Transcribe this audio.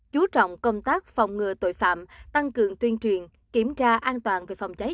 chú trọng công tác phòng ngừa tội phạm tăng cường tuyên truyền kiểm tra an toàn về phòng cháy